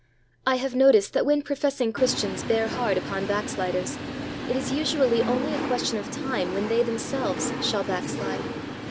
I have noticed that when professing Christians bear hard upon back sliders it is usually only a question of time when they themselves shall backslide.